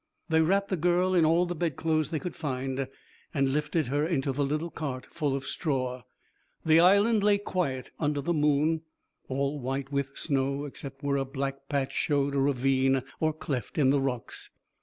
They wrapped the girl in all the bedclothes they could find and lifted her into the little cart full of straw. The Island lay quiet under the moon, all white with snow except where a black patch showed a ravine or cleft in the rocks.